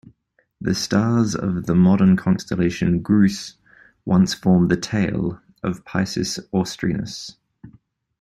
The stars of the modern constellation Grus once formed the "tail" of Piscis Austrinus.